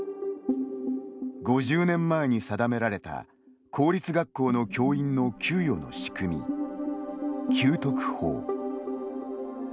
５０年前に定められた公立学校の教員の給与の仕組み、給特法。